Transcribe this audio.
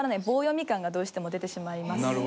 棒読み感がどうしても出てしまいます。